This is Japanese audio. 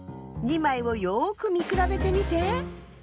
２まいをよくみくらべてみて。